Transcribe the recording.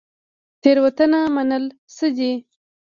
تیروتنه منل څه دي؟